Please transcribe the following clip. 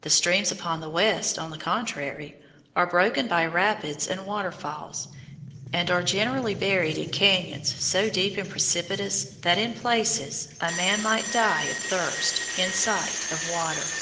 The streams upon the west, on the contrary, are broken by rapids and waterfalls, and are generally buried in cañons so deep and precipitous that in places a man might die of thirst in sight of water.